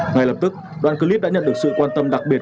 ngay lập tức đoàn clip đã nhận được sự quan tâm đặc biệt